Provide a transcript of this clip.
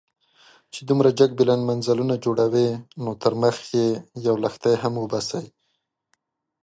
چې دومره جګ بلند منزلونه جوړوئ، نو تر مخ يې يو لښتی هم وباسئ.